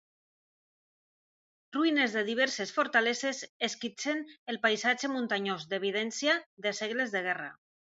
Ruïnes de diverses fortaleses esquitxen el paisatge muntanyós, evidència de segles de guerra.